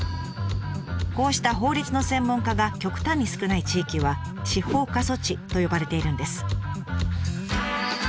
こうした法律の専門家が極端に少ない地域は「司法過疎地」と呼ばれているんです。